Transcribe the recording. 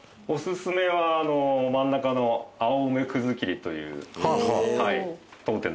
おすすめは真ん中の青梅葛きりという。